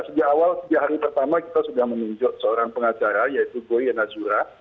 sejak awal sejak hari pertama kita sudah menunjuk seorang pengacara yaitu boyonazura